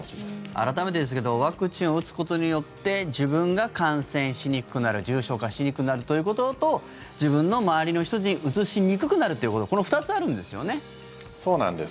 改めてですけれどもワクチンを打つことによって自分が感染しにくくなる重症化しにくくなるということと自分の周りの人にうつしにくくなるっていうことそうなんです。